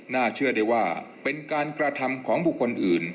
เชื่อได้ว่าเป็นการกระทำของบุคคลอื่น